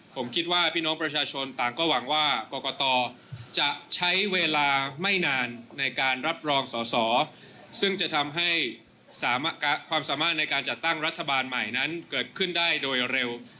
ผมคิดว่าพี่น้องประชาชนต่างก็หวังว่ากรกตจะใช้เวลาไม่นานในการรับรองสอสอซึ่งจะทำให้ความสามารถในการจัดตั้งรัฐบาลใหม่นั้นเกิดขึ้นได้โดยเร็ว